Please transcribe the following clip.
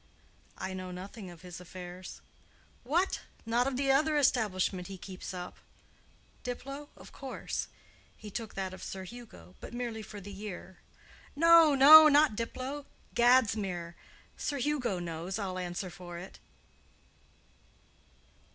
"I know nothing of his affairs." "What! not of the other establishment he keeps up?" "Diplow? Of course. He took that of Sir Hugo. But merely for the year." "No, no; not Diplow: Gadsmere. Sir Hugo knows, I'll answer for it."